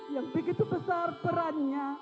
yang begitu besar perannya